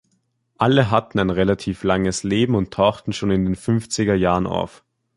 Alle hatten ein relativ langes Leben und tauchten schon in den fünfziger Jahren auf.